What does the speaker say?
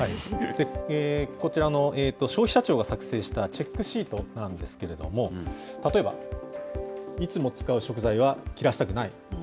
こちらの消費者庁が作成したチェックシートなんですけれども、例えば、いつも使う食材は切らしたくない。